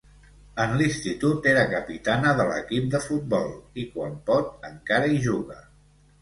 En l'Institut era capitana de l'equip de futbol i quan pot encara hi juga.